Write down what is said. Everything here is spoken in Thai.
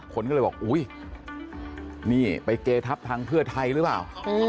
คนก็เลยบอกอุ๊ยนี่ไปเกทับทางเพื่อไทยหรือเปล่า